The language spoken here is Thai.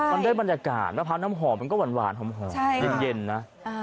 มันได้บรรยากาศมะพร้าวน้ำหอมมันก็หวานหอมเย็นนะ